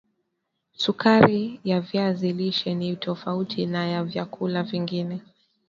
sukari ya viazi lishe ni tofauti naya vyakula vingine